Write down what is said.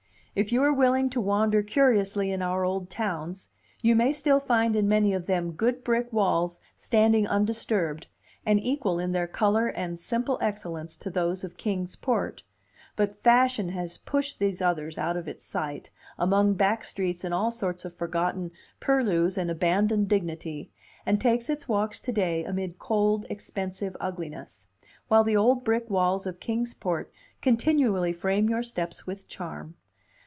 If you are willing to wander curiously in our old towns, you may still find in many of them good brick walls standing undisturbed, and equal in their color and simple excellence to those of Kings Port; but fashion has pushed these others out of its sight, among back streets and all sorts of forgotten purlieus and abandoned dignity, and takes its walks to day amid cold, expensive ugliness; while the old brick walls of Kings Port continually frame your steps with charm.